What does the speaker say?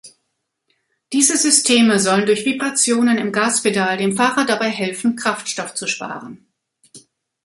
Diese Systeme sollen durch Vibrationen im Gaspedal dem Fahrer dabei helfen, Kraftstoff zu sparen.